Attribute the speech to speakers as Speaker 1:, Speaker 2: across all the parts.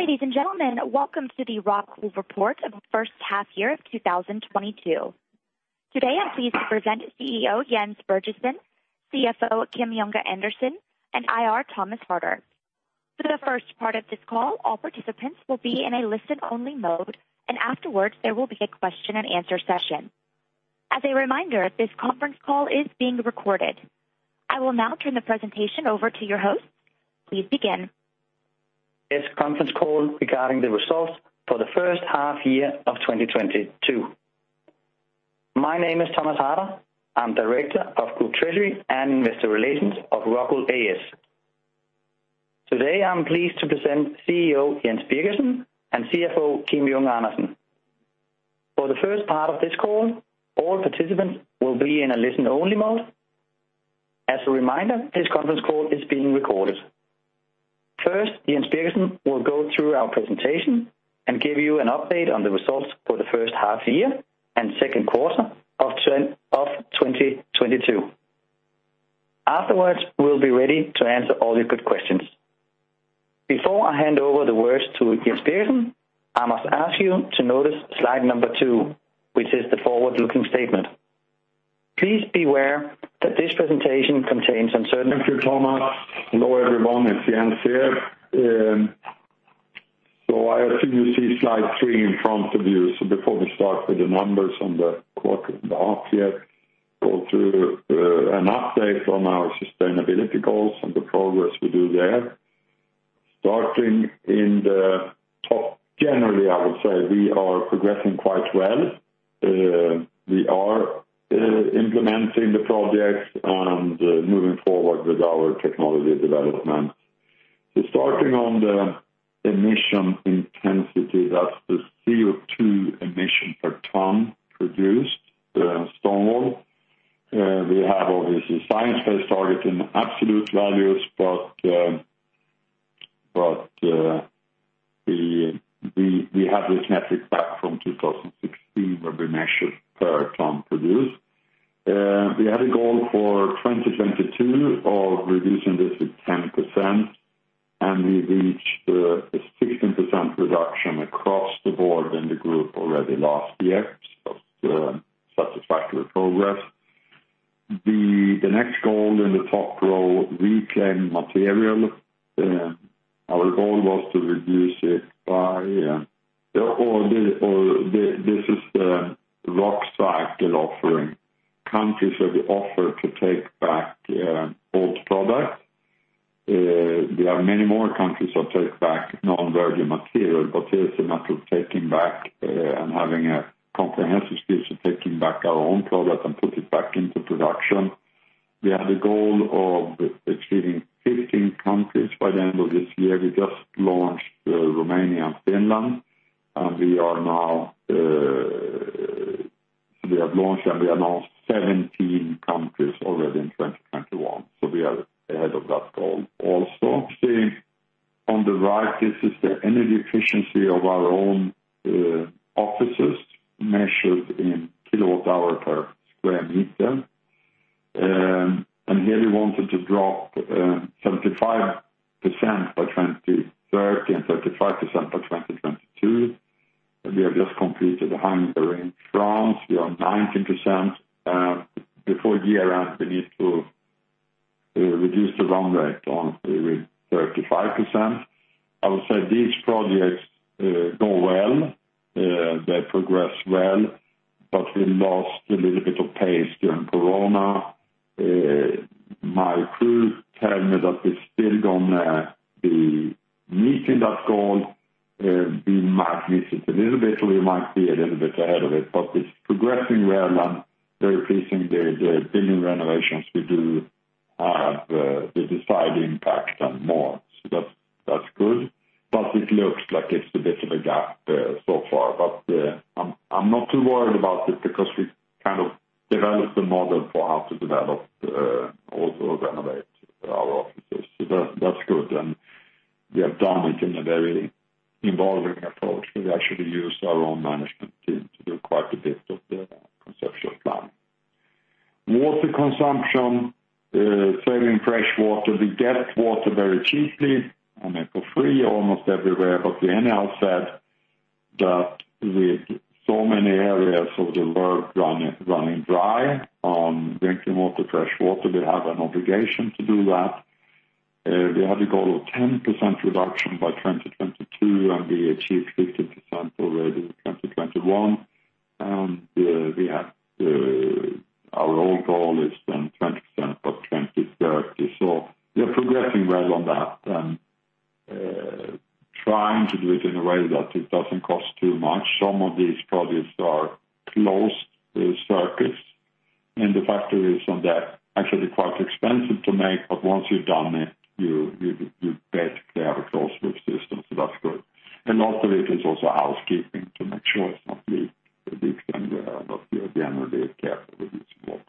Speaker 1: Ladies and gentlemen, welcome to the ROCKWOOL report of the first half year of 2022. Today, I'm pleased to present CEO Jens Birgersson, CFO Kim Junge Andersen, and IR Thomas Harder. For the first part of this call, all participants will be in a listen-only mode, and afterwards, there will be a question and answer session. As a reminder, this conference call is being recorded. I will now turn the presentation over to your host. Please begin.
Speaker 2: This conference call regarding the results for the first half year of 2022. My name is Thomas Harder. I'm Director of Group Treasury and Investor Relations of ROCKWOOL A/S. Today, I'm pleased to present CEO Jens Birgersson and CFO Kim Junge Andersen. For the first part of this call, all participants will be in a listen-only mode. As a reminder, this conference call is being recorded. First, Jens Birgersson will go through our presentation and give you an update on the results for the first half year and second quarter of 2022. Afterwards, we'll be ready to answer all your good questions. Before I hand over to Jens Birgersson, I must ask you to notice slide number two, which is the forward-looking statement. Please be aware that this presentation contains uncertain-
Speaker 3: Thank you, Thomas. Hello, everyone. It's Jens here. I assume you see slide three in front of you. Before we start with the numbers on the quarter and the half year, go through an update on our sustainability goals and the progress we do there. Starting at the top, generally, I would say we are progressing quite well. We are implementing the projects and moving forward with our technology development. Starting on the emission intensity, that's the CO2 emission per ton produced stone wool. We have obviously a Science-Based Target in absolute values, but we have this metric back from 2016 where we measured per ton produced. We had a goal for 2022 of reducing this to 10%, and we reached a 16% reduction across the board in the group already last year. Satisfactory progress. The next goal in the top row, reclaim material, our involving approach. We've actually used our own management team to do quite a bit of the conceptual plan. Water consumption, saving fresh water. We get water very cheaply, I mean, for free almost everywhere. The UN said that with so many areas of the world running dry on drinking water, fresh water, we have an obligation to do that. We had a goal of 10% reduction by 2022, and we achieved 15% already in 2021. We have our old goal is then 20% by 2030. We are progressing well on that and trying to do it in a way that it doesn't cost too much. Some of these projects are closed circuits in the factories, and they're actually quite expensive to make, but once you've done it, you basically have a closed loop system, so that's good. A lot of it is also housekeeping to make sure it's not leaked, and but we are generally careful with using water.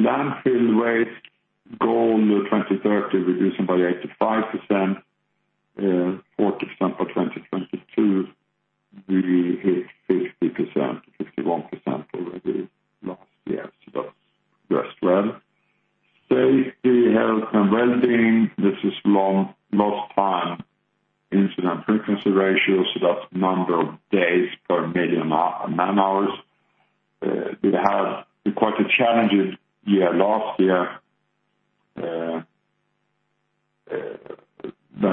Speaker 3: Landfill waste goal in 2030, reducing by 85%, 40% by 2022. We hit 50%, 51% already last year, so that's just well. Safety, health, and wellbeing. This is Lost Time Injury Frequency ratio, so that's number of days per million man-hours. We had quite a challenging year last year. When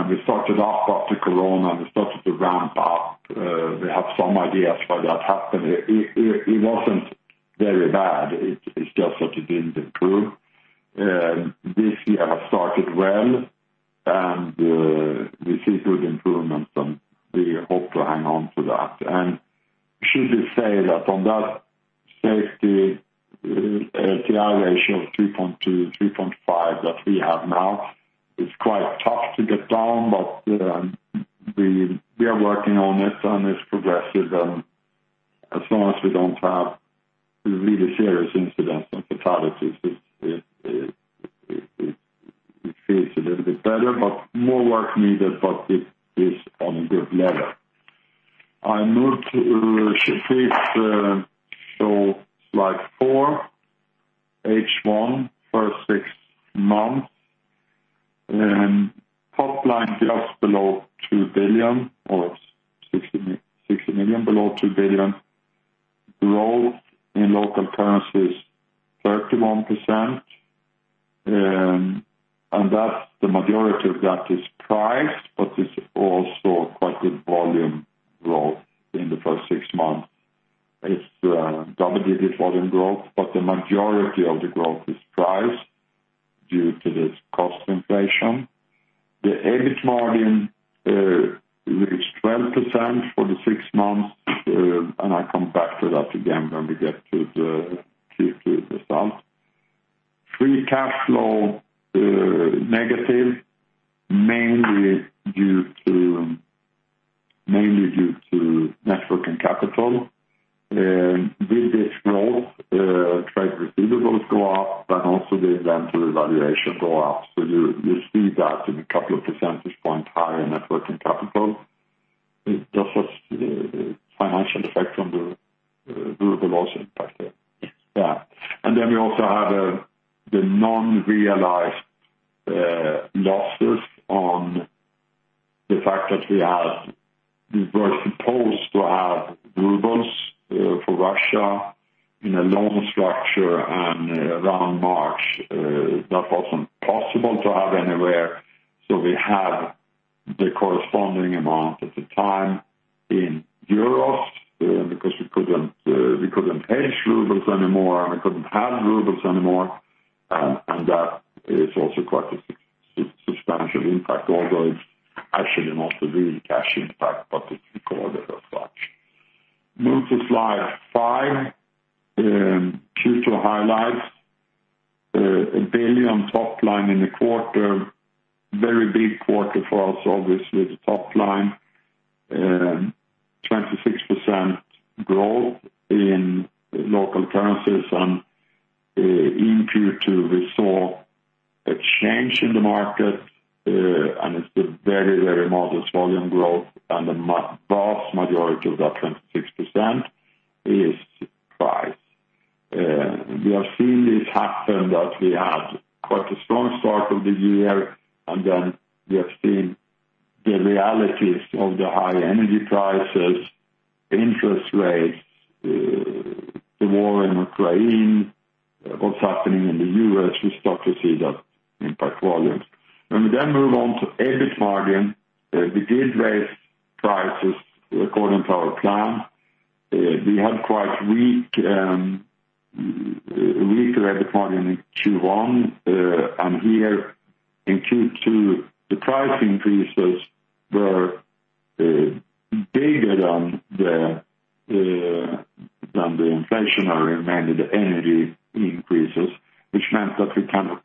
Speaker 3: we started off after Corona, we started to ramp up, we have some ideas why that happened. It wasn't very bad. It's just that it didn't improve. This year has started well, and we see good improvements, and we hope to hang on to that. Should we say that from that safety LTI ratio of 3.2-3.5 that we have now, it's quite tough to get down, but we are working on it and it's progressive and as long as we don't have really serious incidents and fatalities, it feels a little bit better, but more work needed, but it is on a good level. I move to, please, show slide four, H1 first six months. Top line just below 2 billion or 60 million below 2 billion. Growth in local currency is 31%, and that's the majority of that is price, but it's also quite good volume growth in the first six months. It's double-digit volume growth, but the majority of the growth is price due to this cost inflation. The EBIT margin reached 12% for the six months, and I come back to that again when we get to the Q2 results. Free cash flow negative, mainly due to net working capital. With this growth, trade receivables go up, but also the inventory valuation go up. You see that in a couple of percentage points higher net working capital. It's also financial effect from the ruble loss impact there. We also have the unrealized losses on the fact that we were supposed to have rubles for Russia in a loan structure and around March that wasn't possible to have anywhere. We had the corresponding amount at the time in euros because we couldn't hedge rubles anymore, and we couldn't have rubles anymore. That is also quite a substantial impact, although it's actually not a real cash impact, but it's recorded as such. Move to slide five. Q2 highlights. 1 billion top line in the quarter. Very big quarter for us, obviously with the top line. 26% growth in local currencies and in Q2 we saw a change in the market, and it's a very, very modest volume growth and the vast majority of that 26% is price. We are seeing this happen that we had quite a strong start of the year, and then we have seen the realities of the high energy prices, interest rates, the war in Ukraine, what's happening in the U.S., we start to see that impact volumes. Let me move on to EBIT margin. We did raise prices according to our plan. We had quite weak, weaker EBIT margin in Q1. Here in Q2, the price increases were bigger than the inflationary mainly the energy increases, which meant that we kind of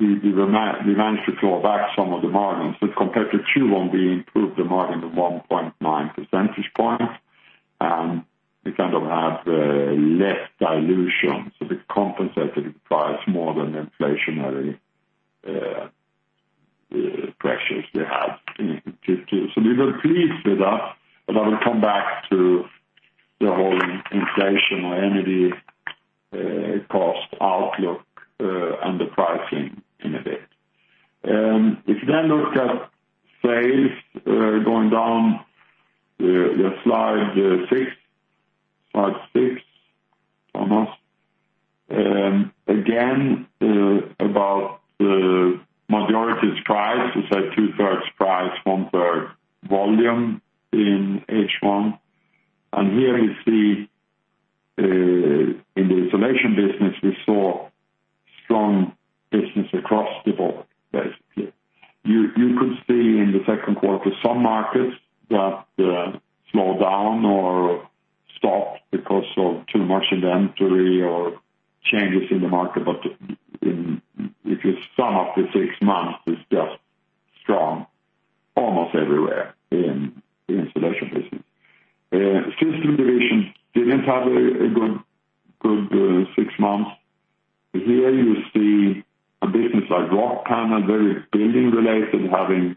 Speaker 3: managed to claw back some of the margins. Compared to Q1, we improved the margin to 1.9 percentage points, and we kind of have less dilution. We compensated price more than inflationary pressures we have in Q2. We were pleased with that, but I will come back to the whole inflation or energy cost outlook and the pricing in a bit. If you then look at sales going down slide six. Slide six, Thomas. Again, about the majority is price. It's like two-thirds price, one-third volume in H1. Here you see in the insulation business, we saw strong business across the board, basically. You could see in the second quarter some markets that slowed down or stopped because of too much inventory or changes in the market. If you sum up the six months, it's just strong almost everywhere in the insulation business. System solutions didn't have a good six months. Here you see a business like Rockpanel, very building related, having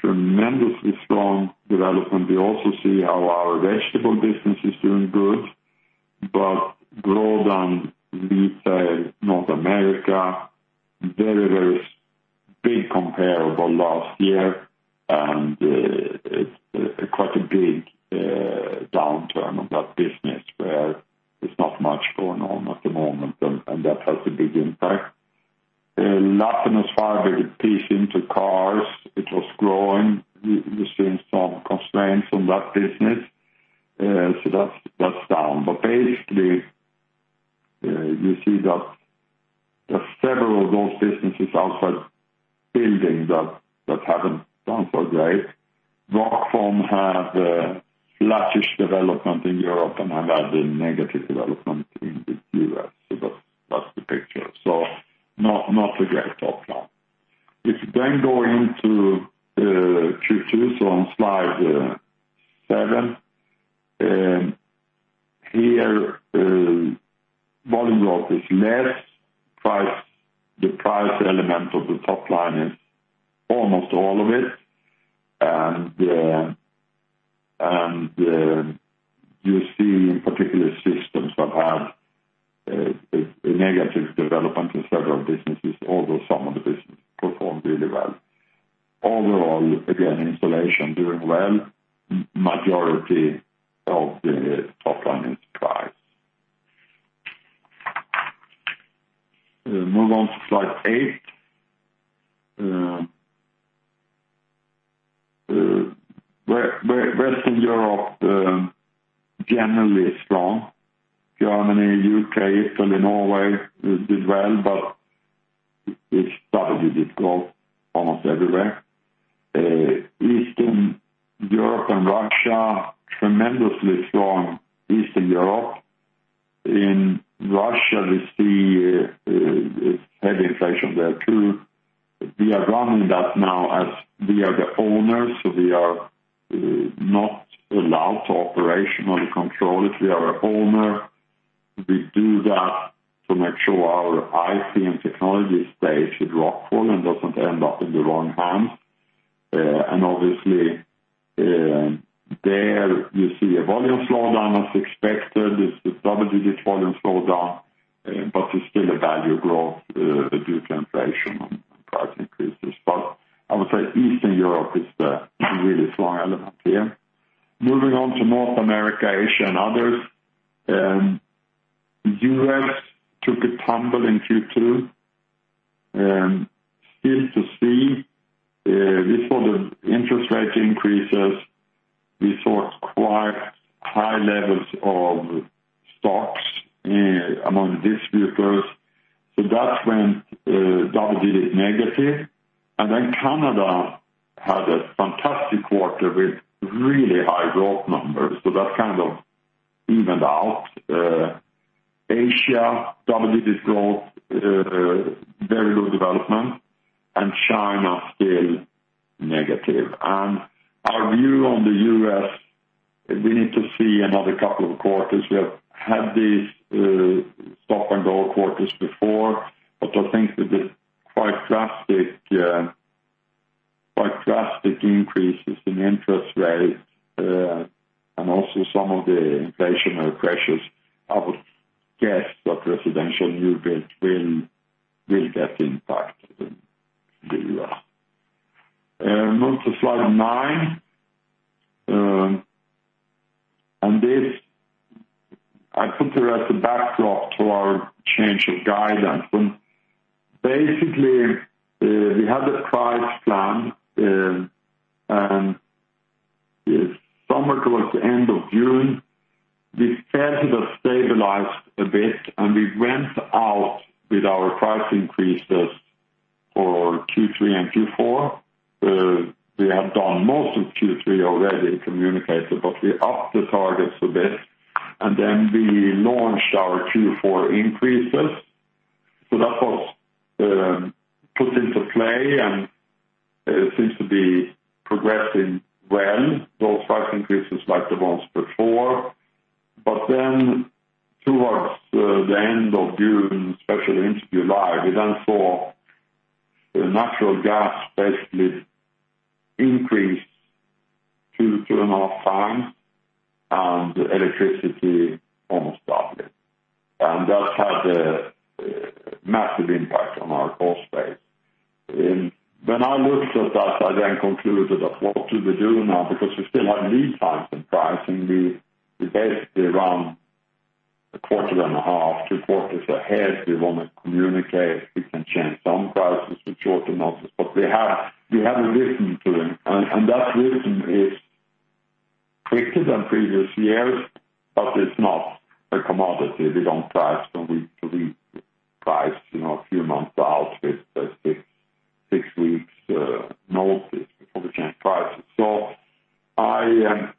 Speaker 3: tremendously strong development. We also see how our vegetable business is doing good, but Grodan retail North America, very big comparable last year, and it's quite a big downturn on that business where there's not much going on at the moment, and that has a big impact. Lapinus Fibres, the piece into cars, it was growing. We're seeing some constraints on that business. That's down. Basically, you see that there are several of those businesses outside building that haven't done so great. Rockfon had flattish development in Europe and have had a negative development in the U.S. That's the picture. Not a great top line. If you then go into Q2, so on slide seven, here, volume growth is less. Price, the price element of the top line is almost all of it. You see in particular systems that have a negative development in several businesses, although some of the businesses performed really well. Overall, again, Insulation doing well, majority of the top line is price. Move on to slide eight. Western Europe generally is strong. Germany, U.K., Italy, Norway did well, but it started difficult almost everywhere. Eastern Europe and Russia, tremendously strong Eastern Europe. In Russia, we see heavy inflation there too. We are running that now as we are the owners, so we are not allowed operational control if we are owner. We do that to make sure our IP and Technology stays with ROCKWOOL and doesn't end up in the wrong hands. Obviously, there you see a volume slowdown as expected. It's a double-digit volume slowdown, but it's still a value growth due to inflation and price increases. I would say Eastern Europe is the really strong element here. Moving on to North America, Asia, and others. U.S. took a tumble in Q2. Still to see, we saw the interest rate increases. We saw quite high levels of stocks among the distributors. That went double-digit negative. Then Canada had a fantastic quarter with really high growth numbers. That kind of evened out. Asia, double-digit growth, very good development, and China still negative. Our view on the U.S., we need to see another couple of quarters. We have had these stop-and-go quarters before, but I think with the quite drastic increases in interest rates and also some of the inflationary pressures, I would guess that residential new build will get impacted in the U.S. Move to slide nine. On this, I put there as a backdrop to our change of guidance. Basically, we had a price plan and somewhere towards the end of June, we felt it had stabilized a bit, and we went out with our price increases for Q3 and Q4. We have done most of Q3 already communicated, but we upped the targets a bit, and then we launched our Q4 increases. That was put into play and seems to be progressing well, those price increases like the ones before. Then towards the end of June, especially into July, we then saw natural gas basically increase to two and a half times, and electricity almost doubled. That had a massive impact on our cost base. When I looked at that, I then concluded that what do we do now? Because we still have lead times in pricing. We basically run a quarter and a half, two quarters ahead. We wanna communicate, we can change some prices with short notice, but we have a rhythm to it. That rhythm is quicker than previous years, but it's not a commodity. We don't price from week to week, you know, a few months out with six weeks notice before we change prices. I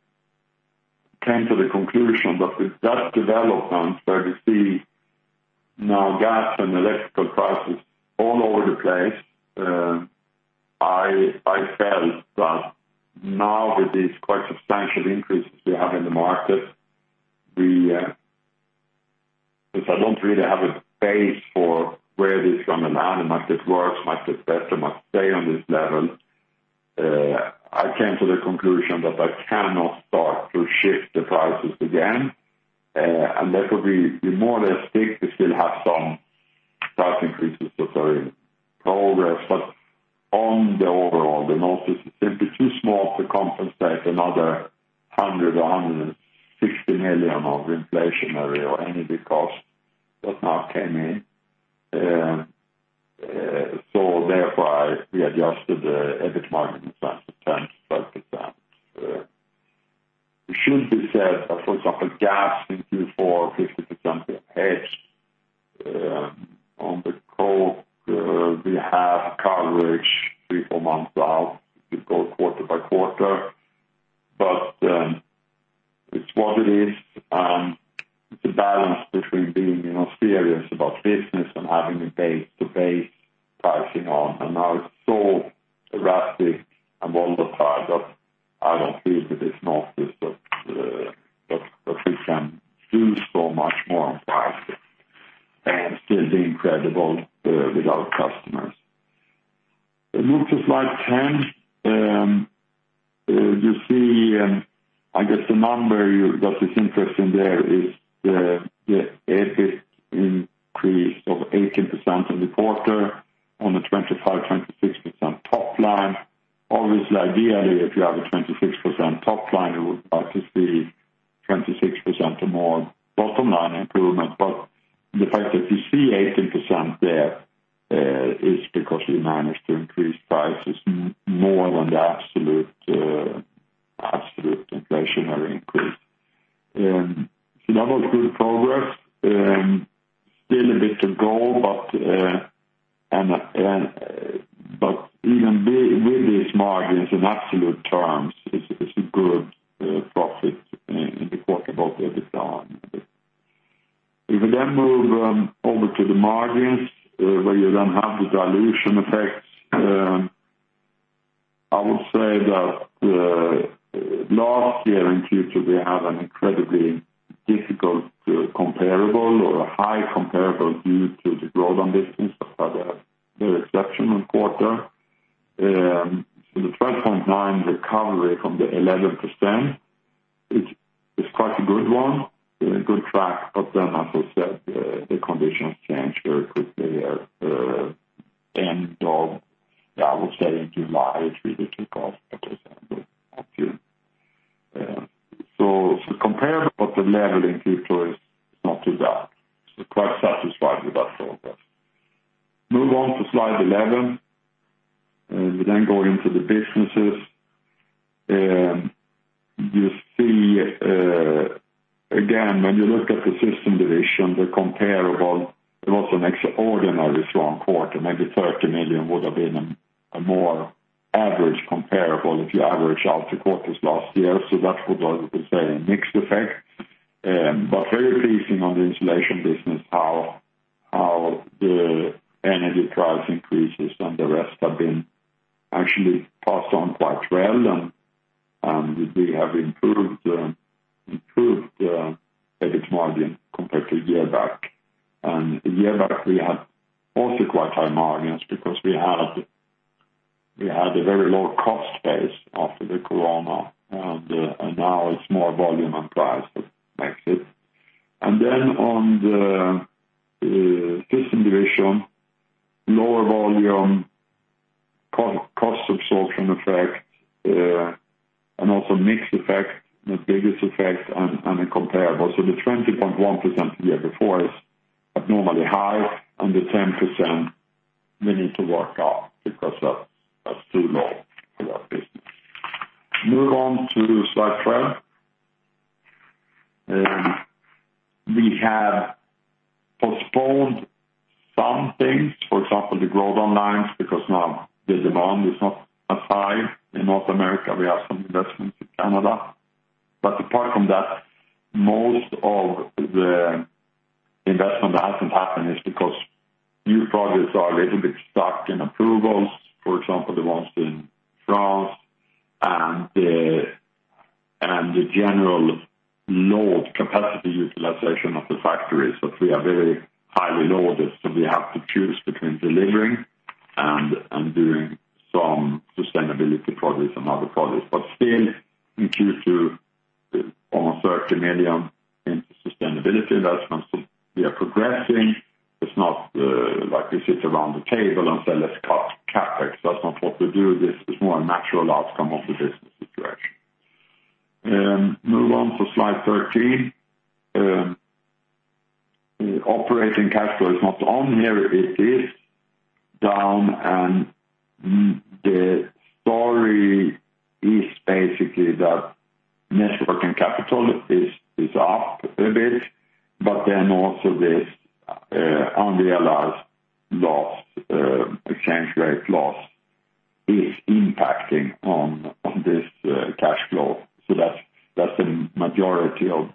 Speaker 3: came to the conclusion that with that development, where we see now gas and electrical prices all over the place, I felt that now with these quite substantial increases we have in the market, because I don't really have a base for where this is gonna land. It might get worse, might get better, might stay on this level. I came to the conclusion that I cannot start to shift the prices again, and that would be more or less stick. We still have some price increases that are in progress, but overall, the turnover is simply too small to compensate another 100 million or 160 million of inflationary or energy costs that now came in. Therefore, we adjusted the EBIT margin in terms of 10%-12%. It should be said, for example, gas in Q4, 50% ahead. On the coal, we have coverage three to four months out. We go quarter by quarter, but it's what it is, and it's a balance between being, you know, serious about business and having a base-to-base pricing on. Now it's so erratic and volatile that I don't feel that it's not that we can do so much more on prices and still being credible with our customers. Move to slide 10. You see, I guess the number that is interesting there is the EBIT increase of 18% in the quarter on the 25%-26% top line. Obviously, ideally, if you have a 26% top line, you would like to and also mix effect, the biggest effect on a comparable. The 20.1% the year before is abnormally high, and the 10% we need to work up because that's too low for our business. Move on to slide 12. We have postponed some things, for example, the growth on lines, because now the demand is not as high. In North America, we have some investments in Canada. Apart from that, most of the investment that hasn't happened is because new projects are a little bit stuck in approvals. For example, the ones in France and the general low capacity utilization of the factories. We are very highly loaded, so we have to choose between delivering and doing some sustainability projects and other projects. Still in Q2, almost EUR 30 million into sustainability investments, we are progressing. It's not like we sit around the table and say, "Let's cut CapEx." That's not what we do. This is more a natural outcome of the business situation. Move on to slide 13. Operating cash flow is not on here. It is down, and the story is basically that net working capital is up a bit, but then also this unrealized exchange rate loss is impacting on this cash flow. That's the majority of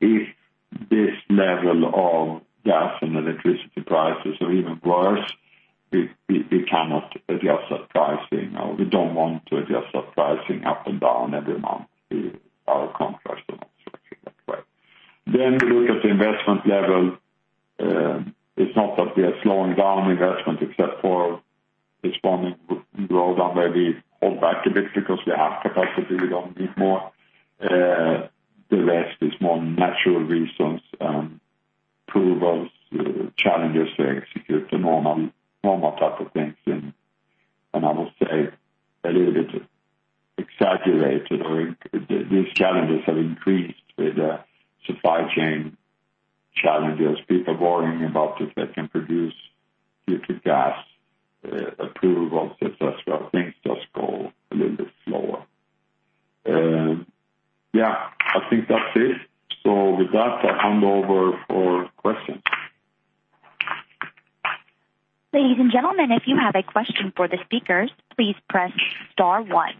Speaker 3: If this level of gas and electricity prices or even worse, we cannot adjust our pricing or we don't want to adjust our pricing up and down every month to our contracts and et cetera that way. We look at the investment level. It's not that we are slowing down investment except for responding well down where we hold back a bit because we have capacity, we don't need more. The rest is more natural reasons, approvals, challenges to execute the normal type of things. I will say a little bit exaggerated or these challenges have increased with the supply chain challenges, people worrying about if they can produce due to gas, approvals, et cetera. Things just go a little bit slower. Yeah, I think that's it. With that, I'll hand over for questions.
Speaker 1: Ladies and gentlemen, if you have a question for the speakers, please press star one.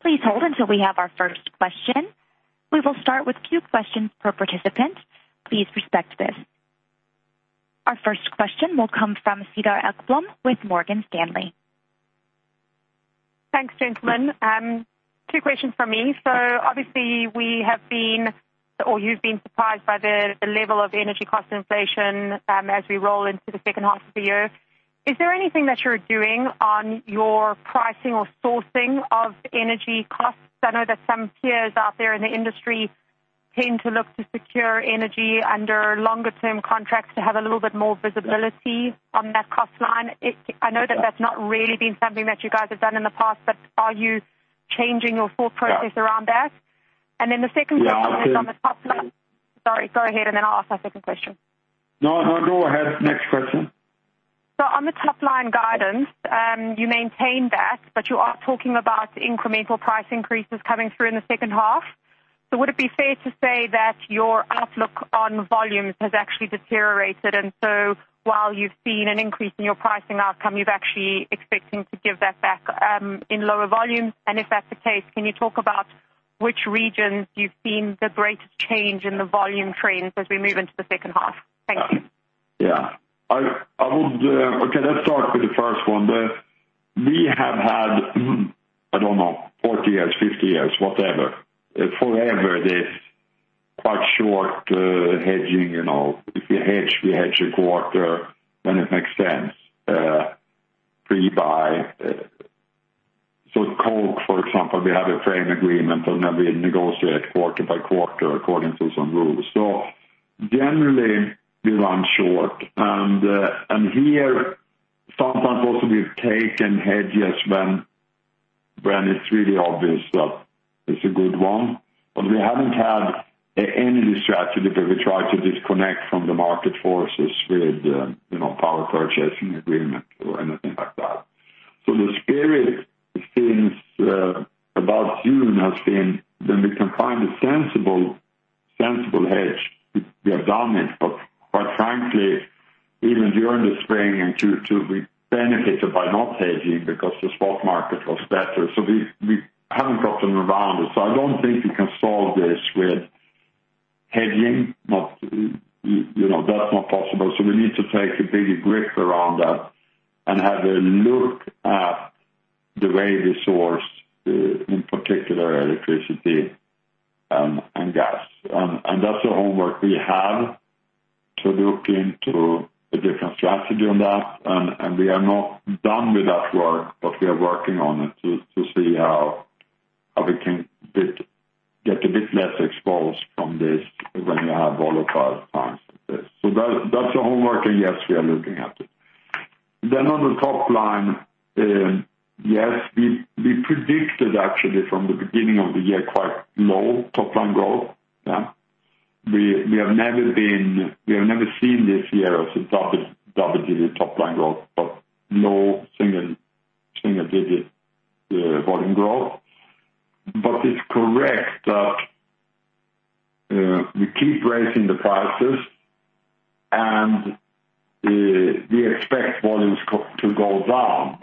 Speaker 1: Please hold until we have our first question. We will start with few questions per participant. Please respect this. Our first question will come from Cedar Ekblom with Morgan Stanley.
Speaker 4: Thanks, gentlemen. Two questions from me. Obviously we have been or you've been surprised by the level of energy cost inflation, as we roll into the second half of the year. Is there anything that you're doing on your pricing or sourcing of energy costs? I know that some peers out there in the industry tend to look to secure energy under longer term contracts to have a little bit more visibility on that cost line. I know that that's not really been something that you guys have done in the past, but are you changing your thought process around that?
Speaker 3: Yeah.
Speaker 4: The second question is on the top line.
Speaker 3: No, I'll take.
Speaker 4: Sorry, go ahead and then I'll ask my second question.
Speaker 3: No, no, go ahead. Next question.
Speaker 4: On the top line guidance, you maintain that, but you are talking about incremental price increases coming through in the second half. Would it be fair to say that your outlook on volumes has actually deteriorated? While you've seen an increase in your pricing outcome, you're actually expecting to give that back, in lower volumes. If that's the case, can you talk about which regions you've seen the greatest change in the volume trends as we move into the second half? Thank you.
Speaker 3: I would. Okay, let's start with the first one. We have had, I don't know, 40 years, 50 years, whatever, forever, this quite short hedging, you know. If you hedge, we hedge a quarter, then it makes sense, pre-buy. Coke, for example, we have a frame agreement and then we negotiate quarter by quarter according to some rules. Generally, we run short. Here sometimes also we've taken hedges when it's really obvious that it's a good one. We haven't had any strategy where we try to disconnect from the market forces with, you know, power purchasing agreement or anything like that. The spirit since about June has been then we can find a sensible hedge. We have done it, but quite frankly, even during the spring we benefited by not hedging because the spot market was better. We haven't gotten around it. I don't think we can solve this with hedging. You know, that's not possible. We need to take a bigger grip around that and have a look at the way we source in particular electricity and gas. That's the homework we have to look into a different strategy on that. We are not done with that work, but we are working on it to see how we can get a bit less exposed from this when you have volatile times like this. That's the homework and yes, we are looking at it. On the top line, yes, we predicted actually from the beginning of the year, quite low top line growth. Yeah. We have never seen this year as a double-digit top line growth, but low single digit volume growth. It's correct that we keep raising the prices and we expect volumes to go down.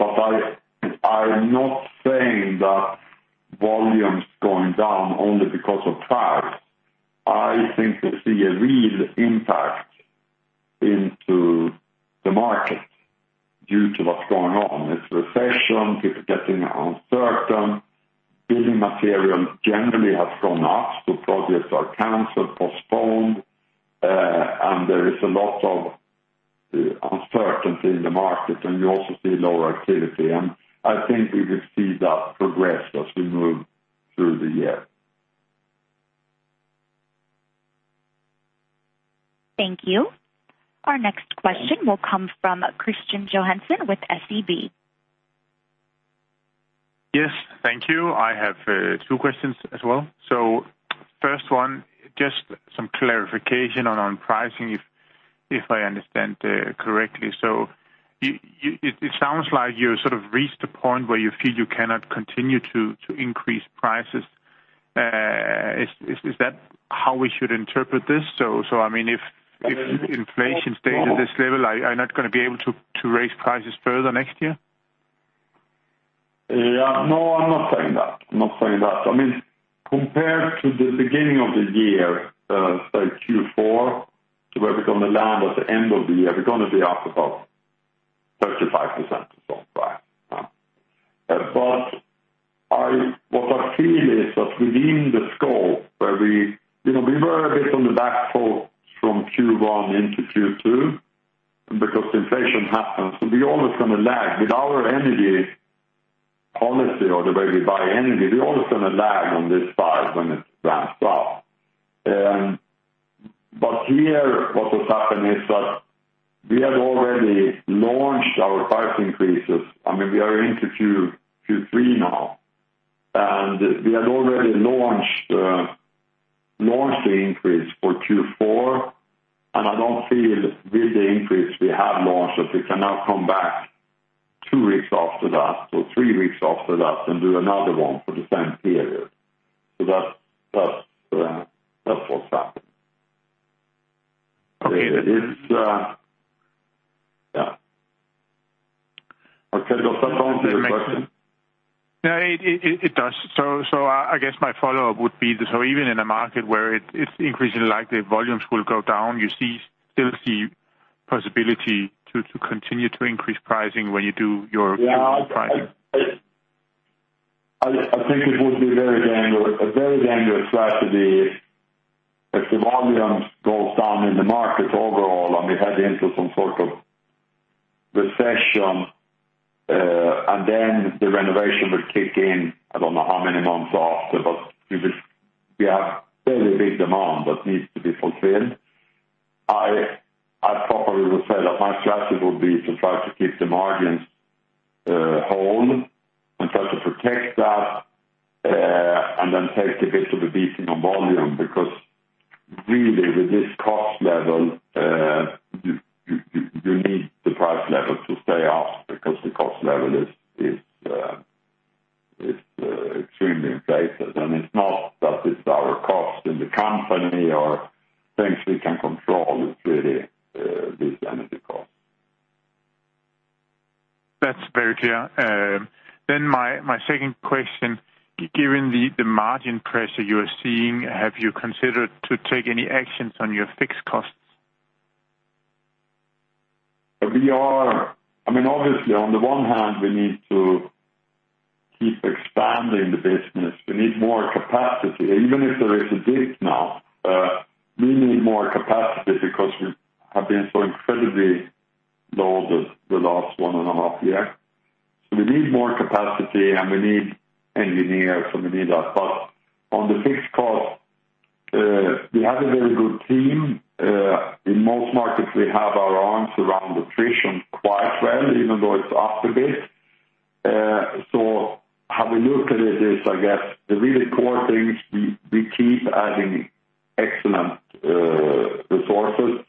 Speaker 3: I'm not saying that volume's going down only because of price. I think we see a real impact into the market due to what's going on. It's recession, people getting uncertain. Building material generally has gone up, so projects are canceled, postponed, and there is a lot of uncertainty in the market, and you also see lower activity. I think we will see that progress as we move through the year.
Speaker 1: Thank you. Our next question will come from Kristian Johansen with SEB.
Speaker 5: Yes. Thank you. I have two questions as well. First one, just some clarification on pricing if I understand correctly. It sounds like you sort of reached a point where you feel you cannot continue to increase prices. Is that how we should interpret this? I mean, if inflation stays at this level, are you not gonna be able to raise prices further next year?
Speaker 3: No, I'm not saying that. I mean, compared to the beginning of the year, say Q4, to where we're gonna land at the end of the year, we're gonna be up about 35% or so, right? What I feel is that within the scope where we were a bit on the back foot from Q1 into Q2 because inflation happens, so we're always gonna lag. With our energy policy or the way we buy energy, we're always gonna lag on this side when it ramps up. Here, what has happened is that we have already launched our price increases. I mean, we are into Q3 now, and we had already launched the increase for Q4, and I don't feel with the increase we have launched that we cannot come back two weeks after that or three weeks after that and do another one for the same period. That's what's happened. Okay. Yeah. Okay. Does that answer your question?
Speaker 5: No, it does. I guess my follow-up would be, so even in a market where it's increasingly likely volumes will go down, you still see possibility to continue to increase pricing when you do your pricing?
Speaker 3: Yeah. I think it would be very dangerous, a very dangerous strategy if the volumes goes down in the market overall and we head into some sort of recession, and then the renovation will kick in, I don't know how many months after, but we have fairly big demand that needs to be fulfilled. I probably will say that my strategy would be to try to keep the margins whole and try to protect that, and then take a bit of a beating on volume because really with this cost level, you need the price level to stay up because the cost level is extremely inflated. It's not that it's our cost in the company or things we can control. It's really these energy costs.
Speaker 5: That's very clear. My second question, given the margin pressure you are seeing, have you considered to take any actions on your fixed costs?
Speaker 3: I mean, obviously on the one hand, we need to keep expanding the business. We need more capacity. Even if there is a dip now, we need more capacity because we have been so incredibly low the last one and a half year. We need more capacity and we need engineers, so we need that. On the fixed cost, we have a very good team. In most markets we have our arms around attrition quite well, even though it's up a bit. How we look at it is, I guess the really core things we keep adding excellent resources.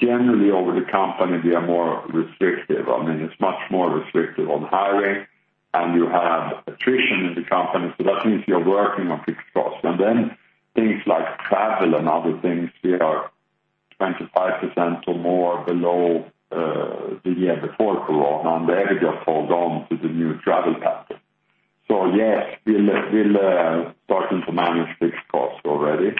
Speaker 3: Generally over the company, we are more restrictive. I mean, it's much more restrictive on hiring, and you have attrition in the company, so that means you're working on fixed costs. Things like travel and other things, we are 25% or more below the year before corona. There we just hold on to the new travel pattern. Yes, we'll start to manage fixed costs already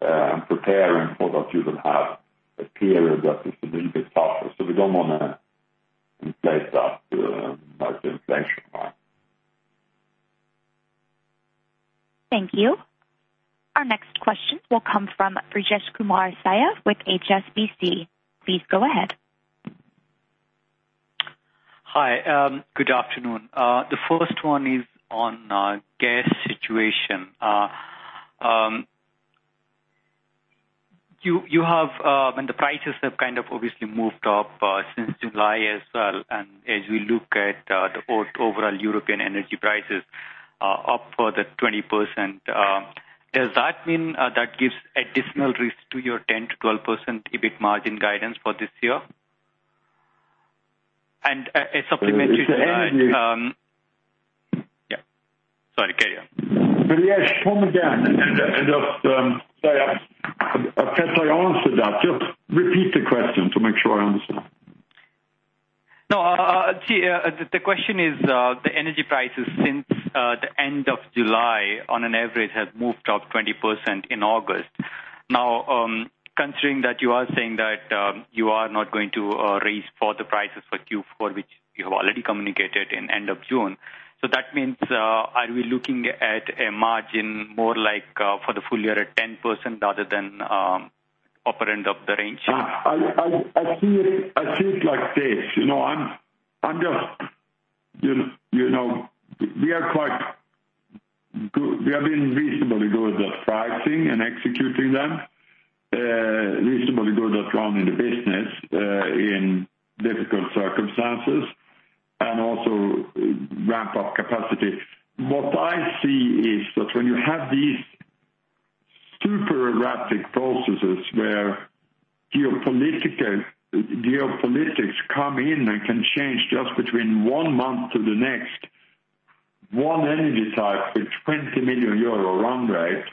Speaker 3: and preparing for that you will have a period that is a little bit tougher. We don't wanna replace that by the inflation mark.
Speaker 1: Thank you. Our next question will come from Brijesh Kumar Siya with HSBC. Please go ahead.
Speaker 6: Hi. Good afternoon. The first one is on gas situation. You have, and the prices have kind of obviously moved up since July as well, and as we look at the overall European energy prices up 20%, does that mean that gives additional risk to your 10%-12% EBIT margin guidance for this year? A supplementary to that,
Speaker 3: It's a energy-
Speaker 6: Yeah. Sorry, carry on.
Speaker 3: Brijesh, come again. Sorry. Perhaps I answered that. Just repeat the question to make sure I understand.
Speaker 6: No, the question is, the energy prices since the end of July on average has moved up 20% in August. Now, considering that you are saying that you are not going to raise the prices for Q4, which you have already communicated at the end of June. That means, are we looking at a margin more like for the full year at 10% rather than upper end of the range?
Speaker 3: I see it like this. You know, I'm just, you know, we are quite good. We have been reasonably good at pricing and executing them, reasonably good at running the business, in difficult circumstances and also ramp up capacity. What I see is that when you have these super erratic processes where geopolitics come in and can change just between one month to the next, one energy type with 20 million euro run rate,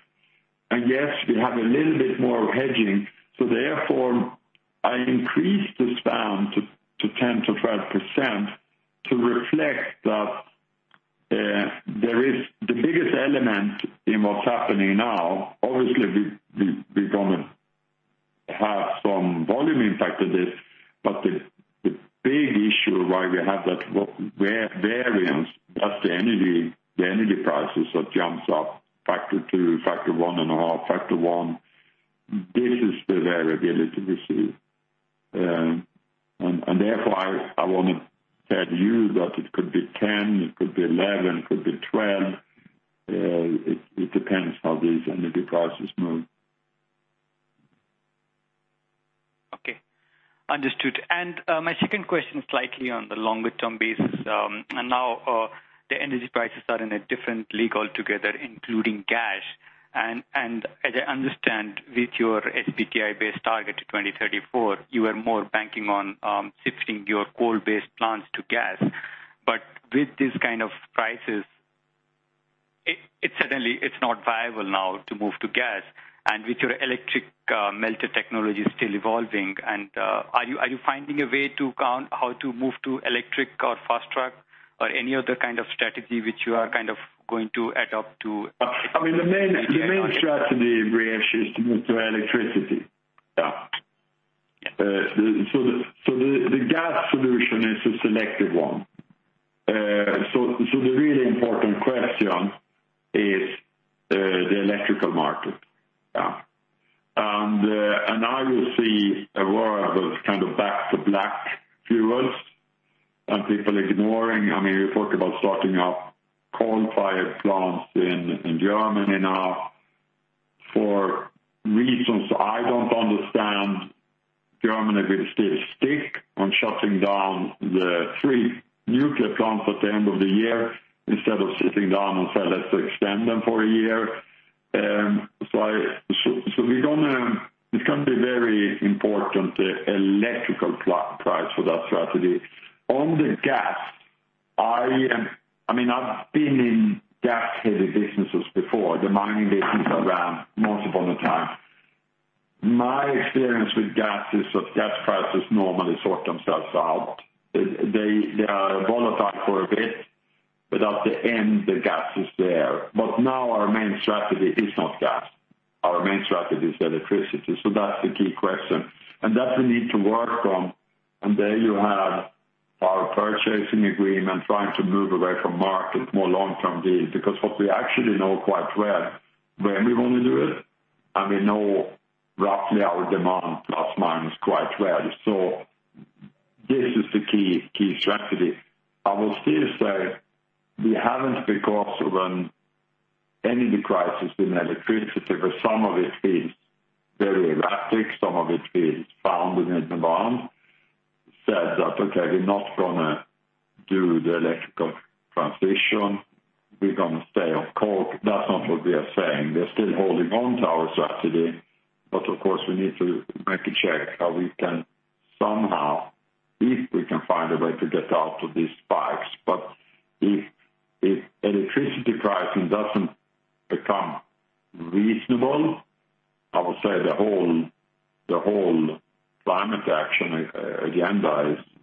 Speaker 3: and yes, we have a little bit more hedging, so therefore I increased the span to 10%-12% to reflect that, there is. The biggest element in what's happening now, obviously, we're gonna have some volume impact of this, but the big issue why we have that variance, that's the energy prices that jumps up factor to factor one and a half, factor one. This is the variability we see. Therefore, I wanna tell you that it could be 10%, it could be 11%, it could be 12%. It depends how these energy prices move.
Speaker 6: Okay. Understood. My second question is likely on the longer term basis. Now, the energy prices are in a different league altogether, including gas. As I understand with your SBTi-based target to 2034, you are more banking on shifting your coke-based plants to gas. But with this kind of prices, suddenly it's not viable now to move to gas and with your electric melter technology still evolving, are you finding a way to count how to move to electric or fast track or any other kind of strategy which you are kind of going to adopt to?
Speaker 3: I mean, the main strategy, Brijesh, is to move to electricity. The gas solution is a selective one. The really important question is the electrical market. Now you see a world of kind of back to black fuels and people ignoring. I mean, you talk about starting up coal-fired plants in Germany now. For reasons I don't understand, Germany will still stick to shutting down the three nuclear plants at the end of the year instead of sitting down and say, "Let's extend them for a year." It's gonna be very important, the electrical price for that strategy. On the gas, I mean, I've been in gas-heavy businesses before. The mining business I ran multiple times. My experience with gas is that gas prices normally sort themselves out. They are volatile for a bit, but at the end the gas is there. Our main strategy is not gas. Our main strategy is electricity, so that's the key question. That we need to work on. There you have our purchasing agreement, trying to move away from market, more long-term deals, because what we actually know quite well when we wanna do it, and we know roughly our demand plus minus quite well. This is the key strategy. I will still say we haven't, because when energy prices in electricity, but some of it is very elastic, some of it is found within demand. Having said that, okay, we're not gonna do the electrical transition. We're gonna stay on coal. That's not what we are saying. We're still holding on to our strategy. Of course, we need to make a check how we can somehow, if we can find a way to get out of these spikes. If electricity pricing doesn't become reasonable, I would say the whole climate action agenda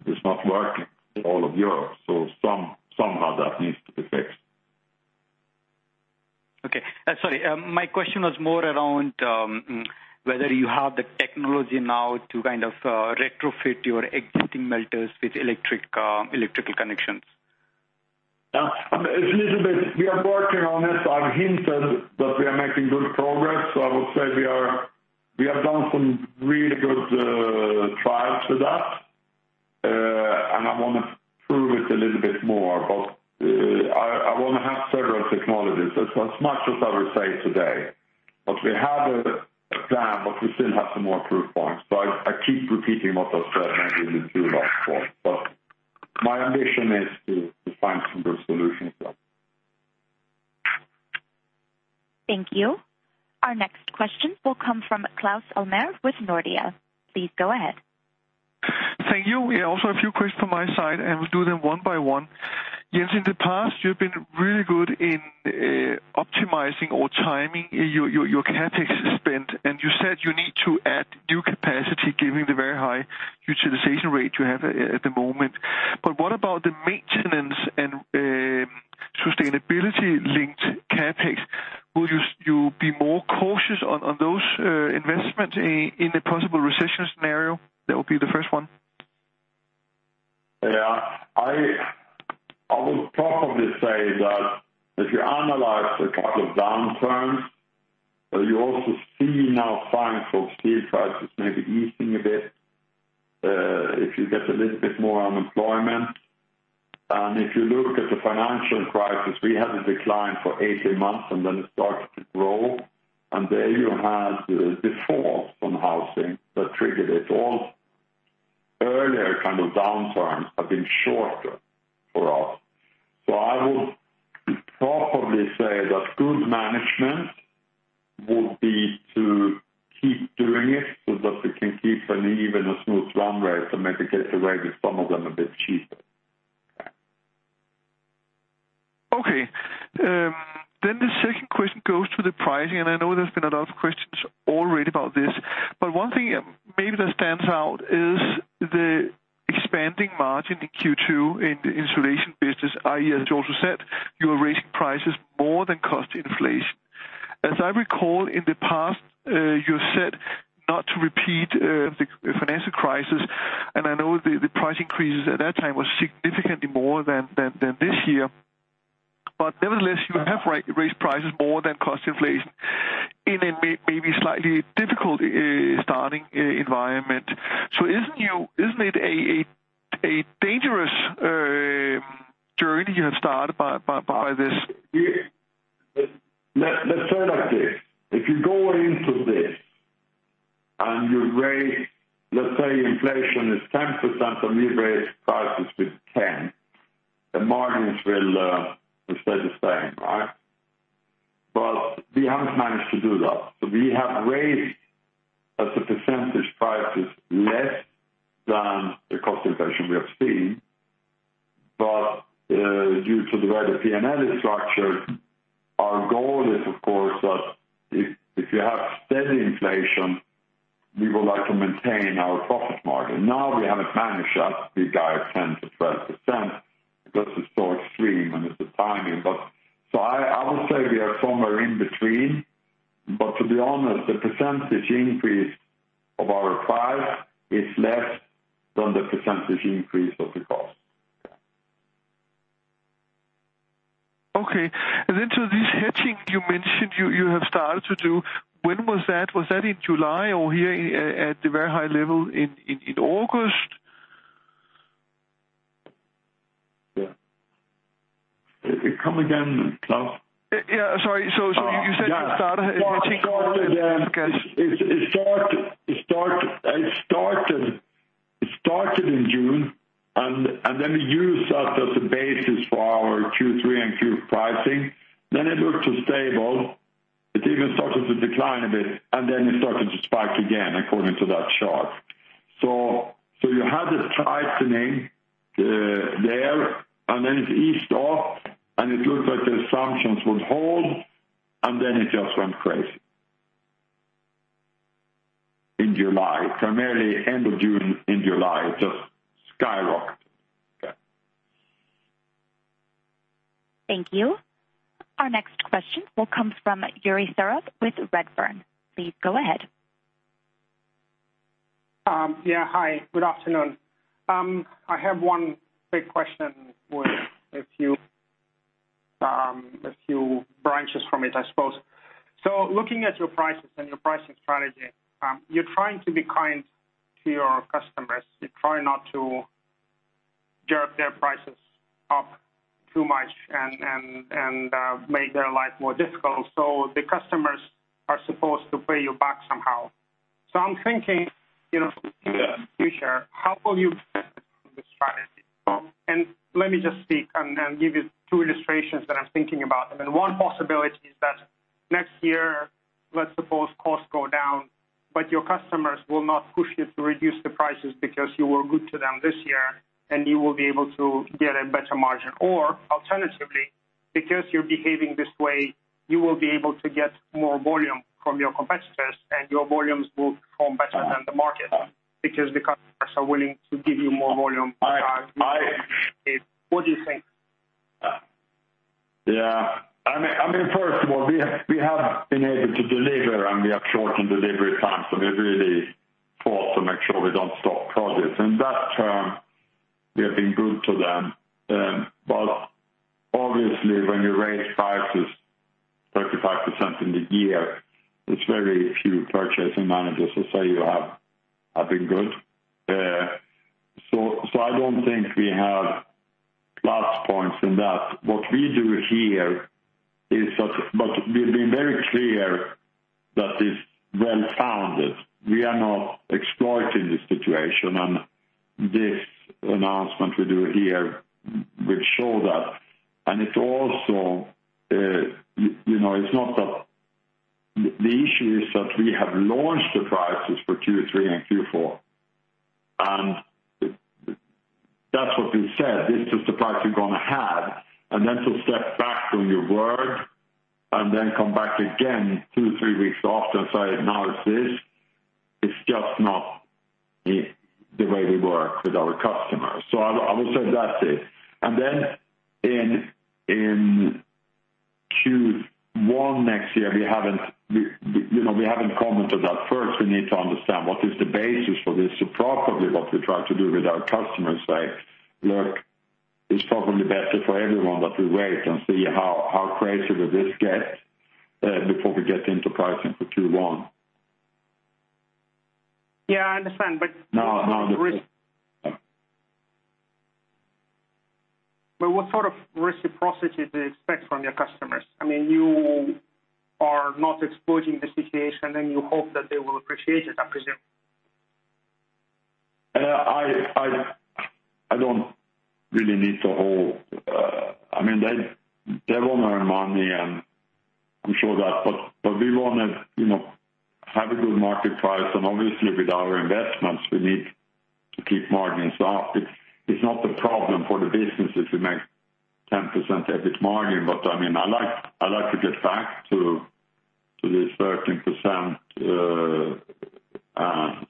Speaker 3: is not working all of Europe. Somehow that needs to be fixed.
Speaker 6: Okay. Sorry, my question was more around whether you have the technology now to kind of retrofit your existing melters with electric, electrical connections?
Speaker 3: It's a little bit. We are working on it. I've hinted that we are making good progress. I would say we have done some really good trials with that. I wanna prove it a little bit more, but I wanna have several technologies. That's as much as I will say today. We have a plan, but we still have some more proof points. I keep repeating what I've said, and we will do that for. My ambition is to find some good solutions there.
Speaker 1: Thank you. Our next question will come from Claus Almer with Nordea. Please go ahead.
Speaker 7: Thank you. Yeah, also a few questions from my side, and we'll do them one by one. Jens, in the past, you've been really good in optimizing or timing your CapEx spend, and you said you need to add new capacity given the very high utilization rate you have at the moment. What about the maintenance and sustainability linked CapEx? Will you be more cautious on those investments in a possible recession scenario? That will be the first one.
Speaker 3: Yeah. I would probably say that if you analyze the couple of downturns, but you also see now signs of steel prices maybe easing a bit, if you get a little bit more unemployment. If you look at the financial crisis, we had a decline for 18 months, and then it started to grow. There you had the default on housing that triggered it. All earlier kind of downturns have been shorter for us. I would probably say that good management would be to keep doing it so that we can keep an even a smooth run rate and maybe get the rate with some of them a bit cheaper.
Speaker 7: The second question goes to the pricing, and I know there's been a lot of questions already about this. One thing maybe that stands out is the expanding margin in Q2 in the insulation business, i.e., as you also said, you are raising prices more than cost inflation. As I recall in the past, you said not to repeat the financial crisis, and I know the price increases at that time was significantly more than this year. Nevertheless, you have raised prices more than cost inflation in a maybe slightly difficult starting environment. Isn't it a dangerous journey you have started by this?
Speaker 3: Yeah. Let's say it like this. If you go into this and you raise, let's say inflation is 10% and we raise prices with 10%, the margins will stay the same, right? We haven't managed to do that. We have raised as a percentage prices less than the cost inflation we have seen. Due to the way the P&L is structured, our goal is of course that if you have steady inflation, we would like to maintain our profit margin. Now we haven't managed that. We guide 10%-12% because it's so extreme, and it's the timing. I would say we are somewhere in between. To be honest, the percentage increase of our price is less than the percentage increase of the cost.
Speaker 7: Okay. This hedging you mentioned, you have started to do, when was that? Was that in July or here at the very high level in August?
Speaker 3: Yeah. Come again, Claus.
Speaker 7: Yeah, sorry. You said you started hedging-
Speaker 3: It started in June, then we used that as a basis for our Q3 and Q4 pricing. It looked sustainable. It even started to decline a bit, and then it started to spike again according to that chart. You had the tightening there, and then it eased off, and it looked like the assumptions would hold, and then it just went crazy. In July, primarily end of June into July, it just skyrocketed.
Speaker 7: Okay.
Speaker 1: Thank you. Our next question will come from Yuri Serov with Redburn. Please go ahead.
Speaker 8: Yeah. Hi. Good afternoon. I have one big question with a few branches from it, I suppose. Looking at your prices and your pricing strategy, you're trying to be kind to your customers. You're trying not to jack their prices up too much and make their life more difficult, the customers are supposed to pay you back somehow. I'm thinking, you know-
Speaker 3: Yeah.
Speaker 8: In the future, how will you
Speaker 3: Yeah.
Speaker 8: this strategy? Let me just speak and give you two illustrations that I'm thinking about. I mean, one possibility is that next year, let's suppose costs go down, but your customers will not push you to reduce the prices because you were good to them this year, and you will be able to get a better margin. Or alternatively, because you're behaving this way, you will be able to get more volume from your competitors and your volumes will perform better than the market, because the customers are willing to give you more volume.
Speaker 3: I-
Speaker 8: What do you think?
Speaker 3: Yeah. I mean, first of all, we have been able to deliver and we have shortened delivery times, so we've really fought to make sure we don't stop projects. In that term, we have been good to them. Obviously, when you raise prices 35% in a year, it's very few purchasing managers will say you have been good. So I don't think we have plus points in that. What we do here is that we've been very clear that it's well-founded. We are not exploiting the situation, and this announcement we do here will show that. It's not that the issue is that we have launched the prices for Q3 and Q4, and that's what we said, this is the price you're gonna have, and then to step back from your word and then come back again two, three weeks after and say, "Now it's this," it's just not the way we work with our customers. I would say that's it. Then in Q1 next year, we haven't commented that first we need to understand what is the basis for this. So probably what we try to do with our customers say, "Look, it's probably better for everyone that we wait and see how crazy will this get before we get into pricing for Q1."
Speaker 8: Yeah, I understand.
Speaker 3: No, no.
Speaker 8: What sort of reciprocity do you expect from your customers? I mean, you are not exploiting the situation and you hope that they will appreciate it, I presume.
Speaker 3: I don't really need to hold. I mean, they wanna earn money and I'm sure that, but we wanna, you know, have a good market price, and obviously with our investments, we need to keep margins up. It's not a problem for the business if we make 10% EBIT margin, but I mean, I like to get back to the 13%,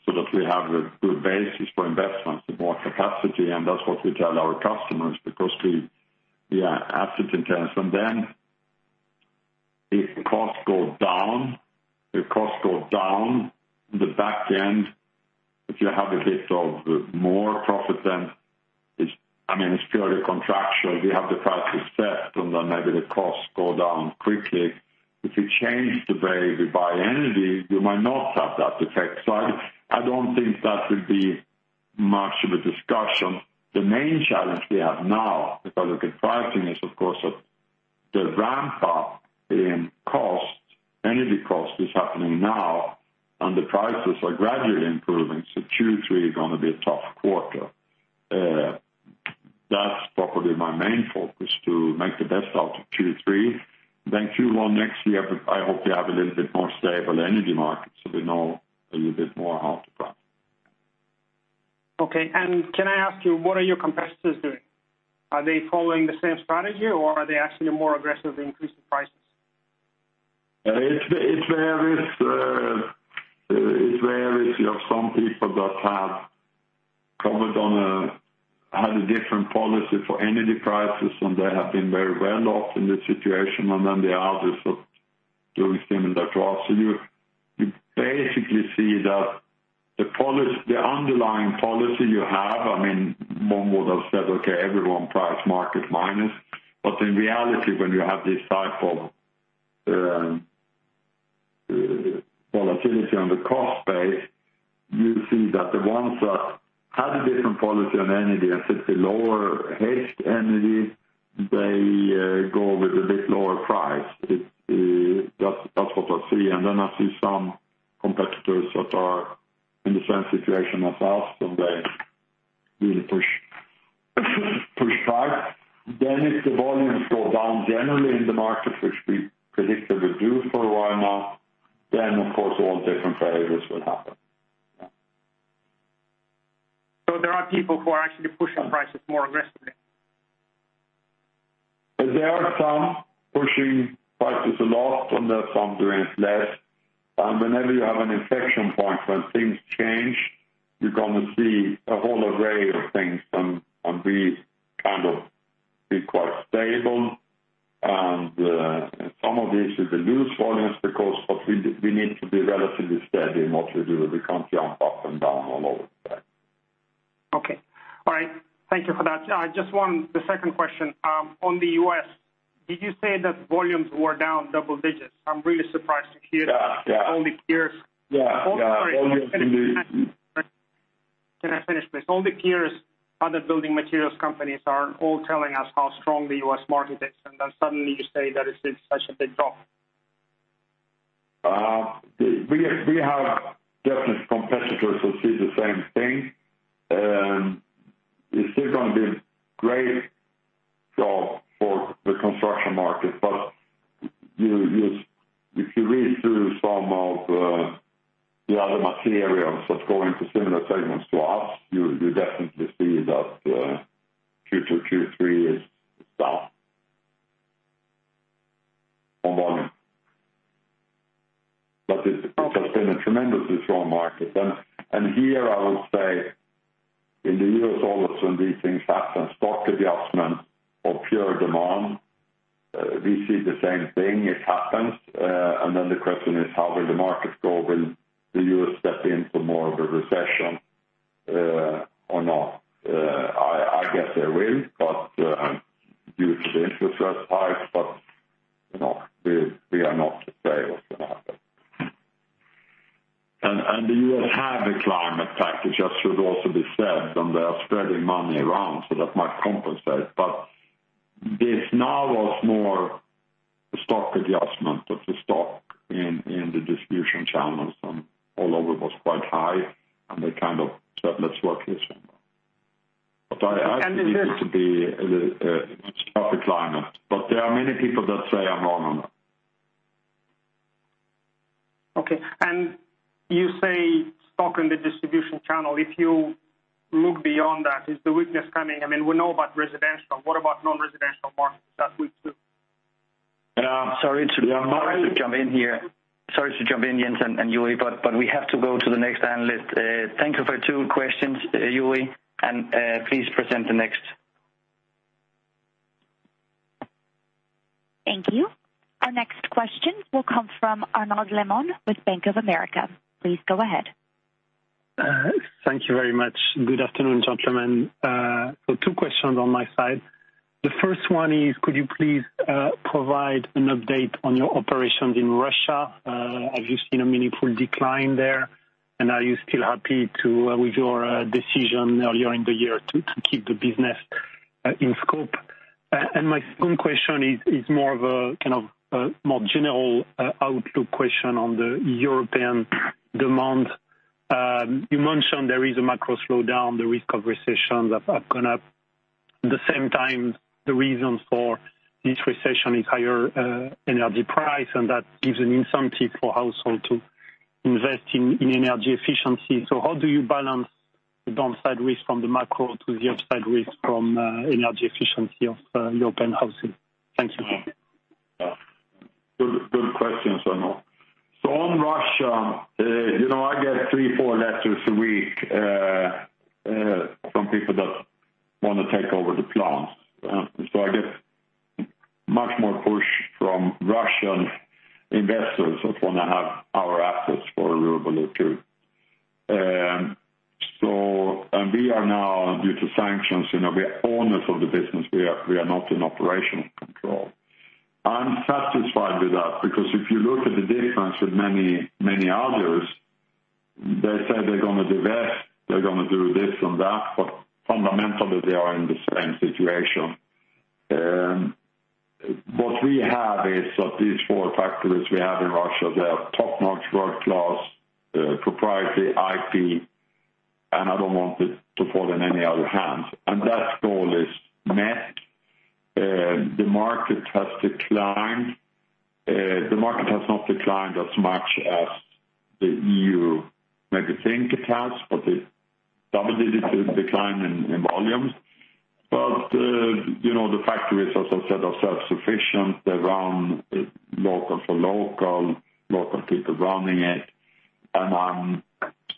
Speaker 3: so that we have a good basis for investments and more capacity, and that's what we tell our customers because we are asset-intensive. Then if costs go down, the back end, if you have a bit more profit than is. I mean, it's purely contractual. We have the prices set and then maybe the costs go down quickly. If you change the way we buy energy, you might not have that effect. I don't think that will be much of a discussion. The main challenge we have now, if I look at pricing, is of course the ramp up in costs, energy costs is happening now, and the prices are gradually improving, so Q3 is gonna be a tough quarter. That's probably my main focus, to make the best out of Q3. Then Q1 next year, but I hope we have a little bit more stable energy market, so we know a little bit more how to price.
Speaker 8: Okay. Can I ask you, what are your competitors doing? Are they following the same strategy or are they actually more aggressively increasing prices?
Speaker 3: It varies. You have some people that have probably had a different policy for energy prices, and they have been very well off in this situation, and then there are others that are doing similar to us. You basically see that the policy, the underlying policy you have, I mean, one would have said, "Okay, everyone price market minus." In reality, when you have this type of volatility on the cost base, you see that the ones that had a different policy on energy and set a lower hedged energy, they go with a bit lower price. That's what I see. Then I see some competitors that are in the same situation as us, and they really push price. If the volumes go down generally in the market, which we predict they will do for a while now, then of course all different variables will happen. Yeah.
Speaker 8: There are people who are actually pushing prices more aggressively?
Speaker 3: There are some pushing prices a lot, and there are some doing less. Whenever you have an inflection point when things change, you're gonna see a whole array of things, and we kind of be quite stable. Some of this is also low volumes because we need to be relatively steady in what we do. We can't jump up and down all over the place.
Speaker 8: Okay. All right. Thank you for that. Just one, the second question, on the U.S. Did you say that volumes were down double digits? I'm really surprised to hear that.
Speaker 3: Yeah. Yeah.
Speaker 8: All the peers.
Speaker 3: Yeah. Yeah.
Speaker 8: Can I finish, please? All the peers, other building materials companies are all telling us how strong the U.S. market is, and then suddenly you say that it's such a big drop.
Speaker 3: We have definite competitors who see the same thing. It's still gonna be great job for the construction market. If you read through some of the other materials that's going to similar segments to us, you definitely see that Q2, Q3 is soft on volume. It's been a tremendously strong market. Here I will say in the U.S., all of a sudden these things happen, stock adjustment or poor demand, we see the same thing. It happens. Then the question is, how will the market go? Will the U.S. step into more of a recession, or not? I guess they will, but due to the interest rates, but you know, we are not to say what will happen. The U.S. have a climate package, that should also be said, and they are spreading money around, so that might compensate. This now was more stock adjustment of the stock in the distribution channels and all over was quite high, and they kind of said, "Let's work this one." I happen to be much on the climate, but there are many people that say I'm wrong on that.
Speaker 8: Okay. You say stock in the distribution channel. If you look beyond that, is the weakness coming? I mean, we know about residential. What about non-residential markets? That's weak, too.
Speaker 2: Sorry to jump in here, Jens and Yuri, but we have to go to the next analyst. Thank you for two questions, Yuri. Please present the next.
Speaker 1: Thank you. Our next question will come from Arnaud Lehmann with Bank of America. Please go ahead.
Speaker 9: Thank you very much. Good afternoon, gentlemen. Two questions on my side. The first one is, could you please provide an update on your operations in Russia? Have you seen a meaningful decline there, and are you still happy with your decision earlier in the year to keep the business in scope? My second question is more of a kind of more general outlook question on the European demand. You mentioned there is a macro slowdown, the risk of recession that are gonna. The same time, the reasons for this recession is higher energy price, and that gives an incentive for household to invest in energy efficiency. How do you balance the downside risk from the macro to the upside risk from energy efficiency of European houses? Thank you.
Speaker 3: Good, good questions, Arnaud. On Russia, you know, I get three, four letters a week from people that wanna take over the plants. I get much more push from Russian investors that wanna have our assets for ruble, too. We are now, due to sanctions, you know, we are owners of the business. We are not in operational control. I'm satisfied with that because if you look at the difference with many, many others, they say they're gonna divest, they're gonna do this and that, but fundamentally, they are in the same situation. What we have is that these four factories we have in Russia, they are top-notch world-class, proprietary IP, and I don't want it to fall in any other hands. That goal is met. The market has declined. The market has not declined as much as the EU maybe think it has, but it's double-digit decline in volumes. You know, the factories, as I said, are self-sufficient. They run local for local people running it. I'm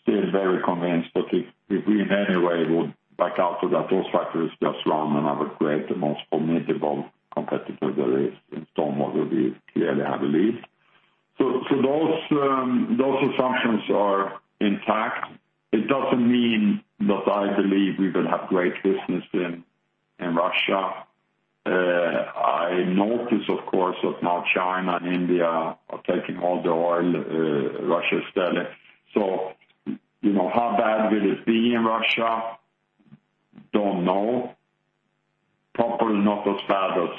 Speaker 3: still very convinced that if we in any way would back out so that those factories just run and have a great and most formidable competitor there is in stone wool will be clearly, I believe. Those assumptions are intact. It doesn't mean that I believe we will have great business in Russia. I notice, of course, that now China and India are taking all the oil Russia is selling. You know, how bad will it be in Russia? Don't know. Probably not as bad as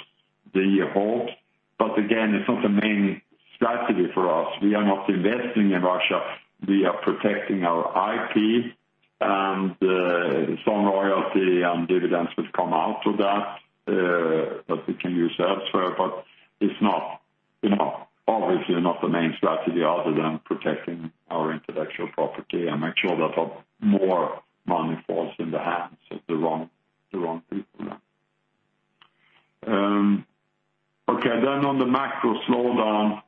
Speaker 3: they hope. Again, it's not the main strategy for us. We are not investing in Russia. We are protecting our IP, and some royalty and dividends would come out of that we can use elsewhere. But it's not, you know, obviously not the main strategy other than protecting our intellectual property and make sure that more money falls in the hands of the wrong people. Okay, on the macro slowdown,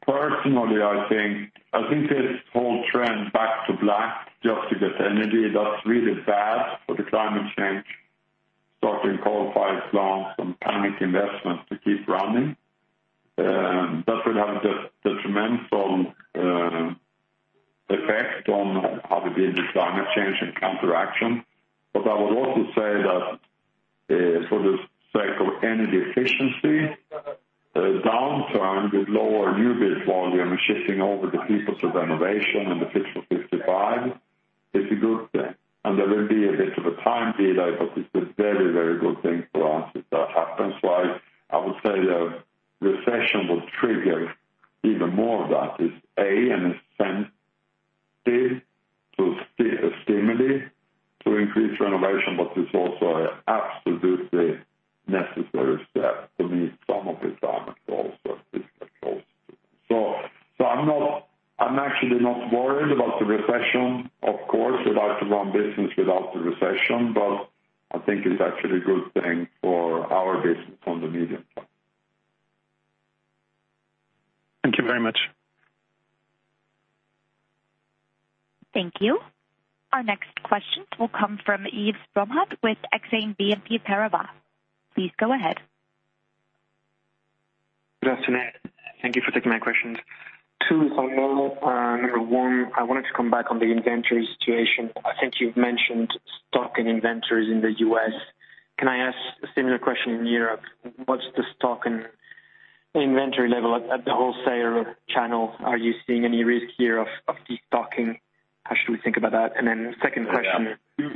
Speaker 3: personally, I think this whole trend back to black just to get energy, that's really bad for the climate change. Starting coal-fired plants and panic investments to keep running, that will have the detrimental effect on obviously the climate change and counteraction. I would say that, for the sake of energy efficiency, the downturn with lower new build volume shifting over the people to renovation and the Fit for 55 is a good thing, and there will be a bit of a time delay, but it's a very, very good thing for us if that happens. I would say a recession would trigger even more of that is, an incentive, a stimulus to increase renovation, but it's also absolutely necessary step to meet some of these climate goals that I'm actually not worried about the recession. Of course, we'd like to run business without the recession, but I think it's actually a good thing for our business on the medium term.
Speaker 9: Thank you very much.
Speaker 1: Thank you. Our next question will come from Yves Bromehead with Exane BNP Paribas. Please go ahead.
Speaker 10: Good afternoon. Thank you for taking my questions. Two follow up. Number one, I wanted to come back on the inventory situation. I think you've mentioned stock and inventories in the U.S. Can I ask a similar question in Europe? What's the stock and inventory level at the wholesaler channel? Are you seeing any risk here of de-stocking? How should we think about that? And then second question.
Speaker 3: Yeah.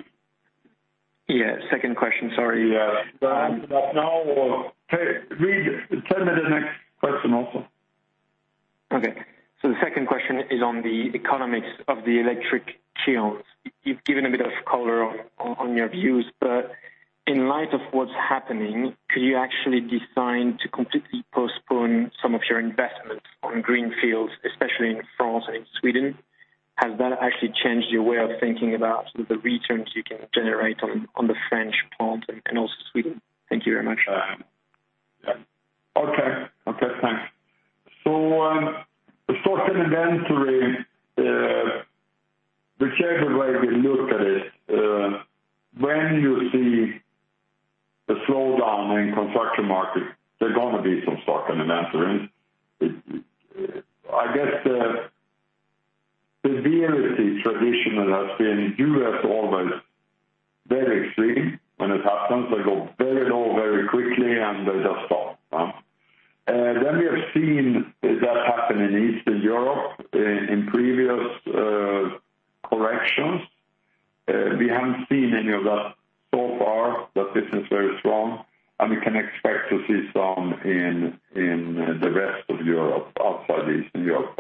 Speaker 10: Yeah, second question. Sorry.
Speaker 3: Do you want to answer that now? Okay. Tell me the next question also.
Speaker 10: Okay. The second question is on the economics of the electric kilns. You've given a bit of color on your views, but in light of what's happening, could you actually decide to completely postpone some of your investments on greenfields, especially in France and in Sweden? Has that actually changed your way of thinking about the returns you can generate on the French plant and also Sweden? Thank you very much.
Speaker 3: Okay, thanks. The stock and inventory, the favorite way we look at it, when you see a slowdown in construction market, there's gonna be some stock and inventory. I guess the severity traditionally has been U.S. always very extreme when it happens. They go very low very quickly, and they just stop. We have seen that happen in Eastern Europe in previous corrections. We haven't seen any of that so far, but this is very strong, and we can expect to see some in the rest of Europe, outside Eastern Europe.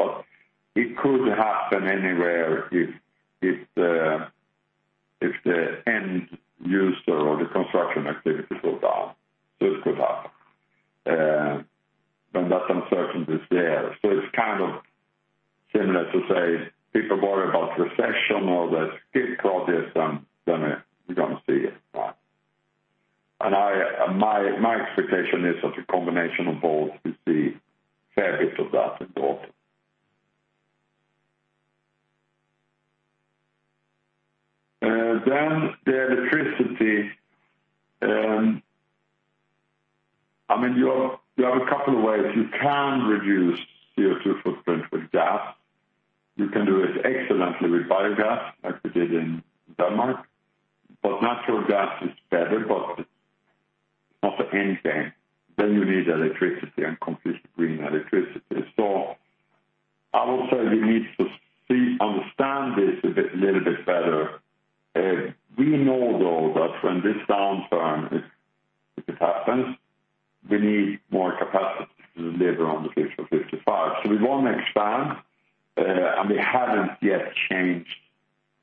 Speaker 3: It could happen anywhere if the end user or the construction activity goes down. It could happen. That uncertainty is there. It's kind of similar to say people worry about recession or the skill crisis then we're gonna see it. My expectation is that the combination of both is a fair bit of that involved. Then the electricity. I mean, you have a couple of ways you can reduce CO2 footprint with gas. You can do it excellently with biogas, like we did in Denmark, but natural gas is better, but it's not the end game. You need electricity and completely green electricity. I would say you need to understand this a little bit better. We know though that when this downturn, if it happens, we need more capacity to deliver on the Fit for 55. We want to expand, and we haven't yet changed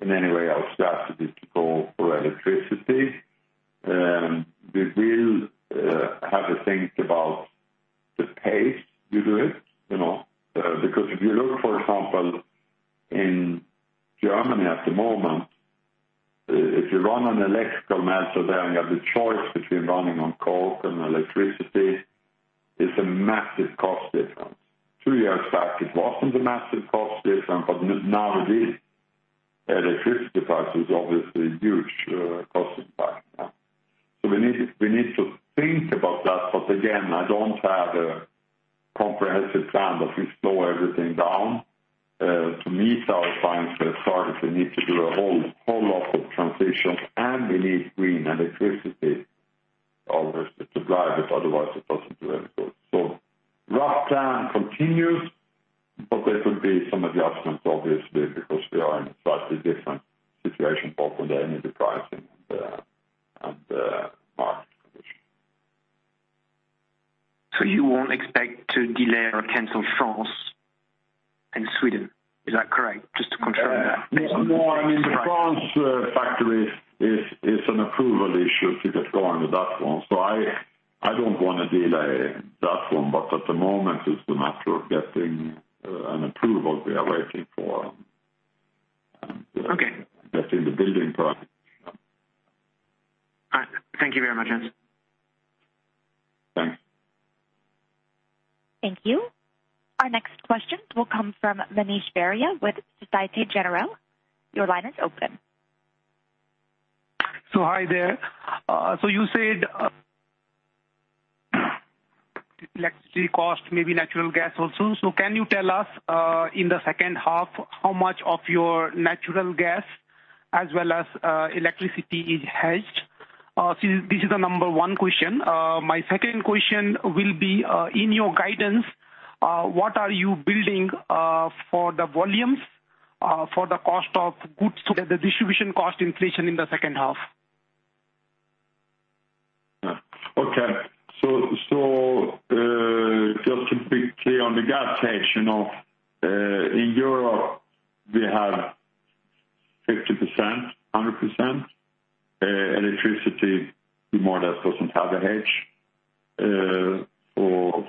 Speaker 3: in any way our strategy to go for electricity. We will have a think about the pace we do it, you know. Because if you look, for example, in Germany at the moment, if you run an electrical melter, then you have the choice between running on coke and electricity, it's a massive cost difference. Two years back, it wasn't a massive cost difference, but now it is. Electricity price is obviously huge cost impact. We need to think about that, but again, I don't have a comprehensive plan, but we slow everything down. To meet our climate targets, we need to do a whole lot of transition, and we need green electricity, obviously, to drive it, otherwise it doesn't do any good. Rough plan continues, but there could be some adjustments obviously, because we are in a slightly different situation, both on the energy pricing and market condition.
Speaker 10: You won't expect to delay or cancel France and Sweden. Is that correct? Just to confirm that.
Speaker 3: No, I mean, the France factory is an approval issue to get going with that one. I don't wanna delay that one, but at the moment it's a matter of getting an approval we are waiting for.
Speaker 10: Okay.
Speaker 3: Getting the building permit.
Speaker 10: All right. Thank you very much, Jens.
Speaker 3: Thanks.
Speaker 1: Thank you. Our next question will come from Manish Beria with Société Générale. Your line is open.
Speaker 11: Hi there. You said, electricity cost, maybe natural gas also. Can you tell us, in the second half how much of your natural gas as well as, electricity is hedged? This is the number one question. My second question will be, in your guidance, what are you building, for the volumes, for the cost of goods to get the distribution cost inflation in the second half?
Speaker 3: Yeah. Okay. Just to be clear on the gas hedge, you know, in Europe we have 50%, 100% electricity. [Grodan] doesn't have a hedge for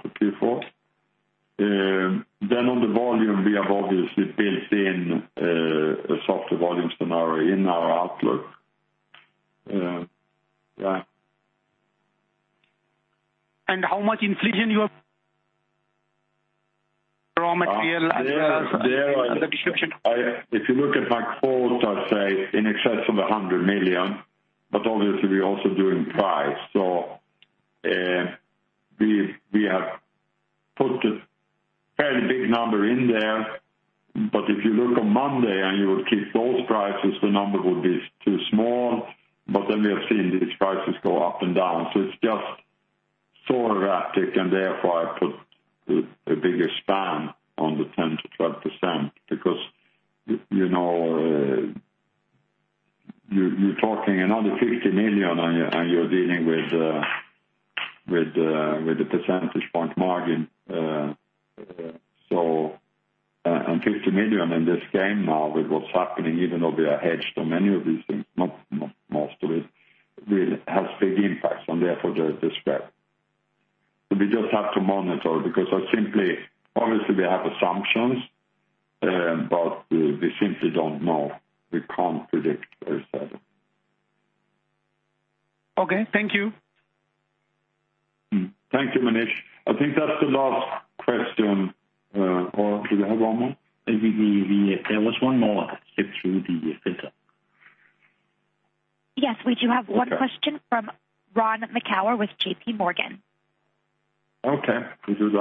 Speaker 3: Q4. On the volume, we have obviously built in a softer volume scenario in our outlook. Yeah.
Speaker 11: How much inflation you have?
Speaker 3: Uh, there-
Speaker 11: Raw material as well as.
Speaker 3: There are-
Speaker 11: The description.
Speaker 3: If you look at my quote I say in excess of 100 million, but obviously we're also doing price. We have put a fairly big number in there, but if you look on Monday and you would keep those prices, the number would be too small. We have seen these prices go up and down. It's just so erratic, and therefore, I put a bigger span on the 10%-12% because, you know, you're talking another 50 million and you're dealing with the percentage point margin. On 50 million in this game now with what's happening even though we are hedged on many of these things, not most of it, will have big impacts on therefore the spread. We just have to monitor because I simply obviously we have assumptions, but we simply don't know. We can't predict per se.
Speaker 11: Okay. Thank you.
Speaker 3: Thank you, Manish. I think that's the last question. Or do we have one more?
Speaker 2: There was one more slipped through the filter.
Speaker 1: Yes, we do have one question.
Speaker 3: Okay.
Speaker 1: From Elodie Rall with JPMorgan.
Speaker 3: Okay. Please go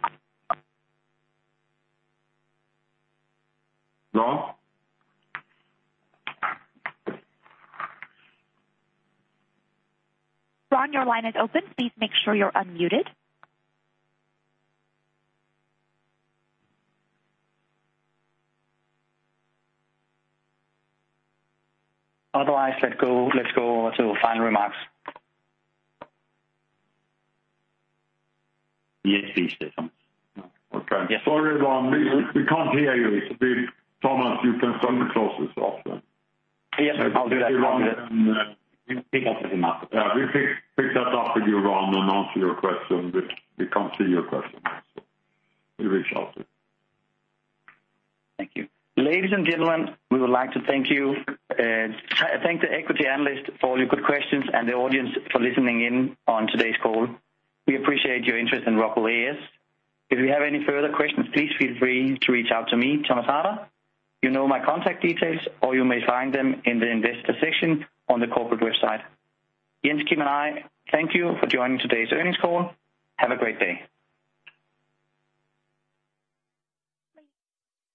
Speaker 3: ahead. Ron?
Speaker 1: Ron, your line is open. Please make sure you're unmuted.
Speaker 2: Otherwise, let's go to final remarks.
Speaker 3: Yes, please, Thomas.
Speaker 2: Yeah.
Speaker 3: Okay.
Speaker 2: Yes.
Speaker 3: Sorry, Ron. We can't hear you. Thomas, you can still close this off then.
Speaker 2: Yes.
Speaker 3: Maybe Ron can.
Speaker 2: We'll pick up with him after.
Speaker 3: Yeah. We'll pick that up with you, Ron, and answer your question. We can't hear your question, so we'll reach out to you.
Speaker 2: Thank you. Ladies and gentlemen, we would like to thank you, thank the equity analysts for all your good questions and the audience for listening in on today's call. We appreciate your interest in ROCKWOOL A/S. If you have any further questions, please feel free to reach out to me, Thomas Harder. You know my contact details, or you may find them in the investor section on the corporate website. Jens, Kim and I thank you for joining today's earnings call. Have a great day.